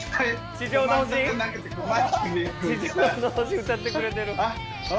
『地上の星』歌ってくれてる。